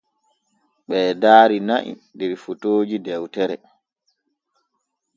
Ɓee daari na’i der fotooji dewtere.